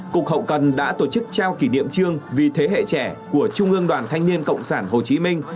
cục hậu cần đã tổ chức trao kỷ niệm trương vì thế hệ trẻ của trung ương đoàn thanh niên cộng sản hồ chí minh